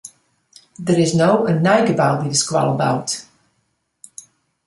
Der is no in nij gebou by de skoalle boud.